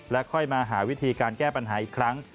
ค่อยมาหาวิธีการแก้ปัญหาอีกครั้ง